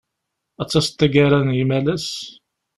Ad d-taseḍ taggara-a n yimalas?